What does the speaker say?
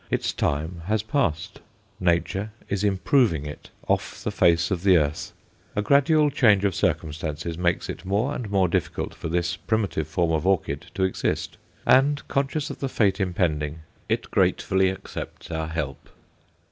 Its time has passed Nature is improving it off the face of the earth. A gradual change of circumstances makes it more and more difficult for this primitive form of orchid to exist, and, conscious of the fate impending, it gratefully accepts our help.